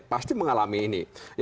pasti mengalami ini